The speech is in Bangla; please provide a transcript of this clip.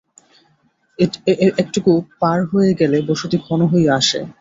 একটুকু পার হয়ে গেলে বসতি ঘন হইয়া আসে।